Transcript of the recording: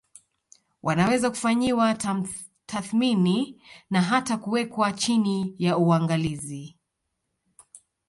Wanaweza kufanyiwa tathmini na hata kuwekwa chini ya uangalizi